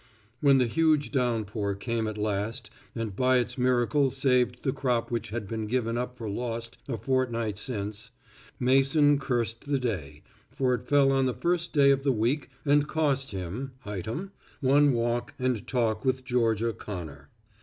When the huge downpour came at last and by its miracle saved the crop which had been given up for lost a fortnight since, Mason cursed the day, for it fell on the first day of the week and cost him, item, one walk and talk with Georgia Connor.